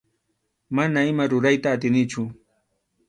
Mana ima rurayta atinichu.